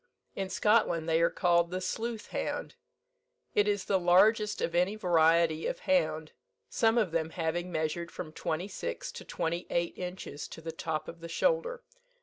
In Scotland they are called the Sleuth hound. It is the largest of any variety of hound, some of them having measured from twenty six to twenty eight inches to the top of the shoulder.